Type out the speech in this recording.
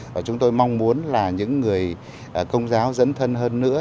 và chúng tôi mong muốn là những người công giáo dẫn thân hơn nữa